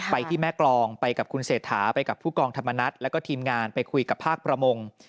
ที่แม่กรองไปกับคุณเศรษฐาไปกับผู้กองธรรมนัฏแล้วก็ทีมงานไปคุยกับภาคประมง